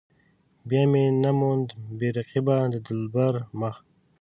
بیا مې نه موند بې رقيبه د دلبر مخ.